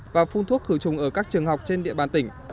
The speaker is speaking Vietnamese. và phun thuốc khử trùng ở các trường học trên địa bàn tỉnh